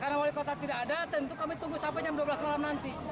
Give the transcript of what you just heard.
karena wali kota tidak ada tentu kami tunggu sampai jam dua belas malam nanti